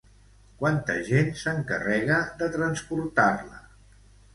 Quanta gent s'encarrega de transportar-la?